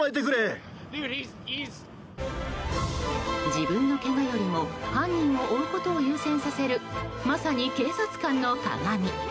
自分のけがよりも犯人を追うことを優先させるまさに警察官のかがみ。